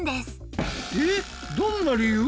えっどんな理由！？